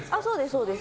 そうです。